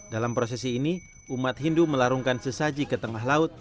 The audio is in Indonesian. dalam prosesi ini umat hindu melarungkan sesaji ke tengah laut